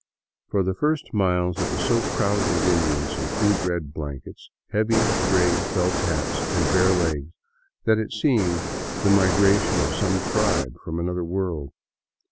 For the first miles it was so crowded with Indians in crude red blankets, heavy, gray felt hats, and bare legs, that it seemed the migration of some tribe from an other world.